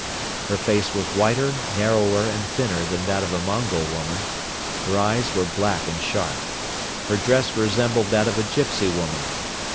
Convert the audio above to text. Her face was whiter, narrower and thinner than that of a Mongol woman. Her eyes were black and sharp. Her dress resembled that of a gypsy woman.